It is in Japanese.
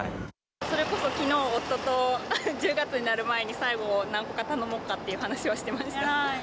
それこそきのう、夫と１０月になる前に最後、何個か頼もうかという話はしてました。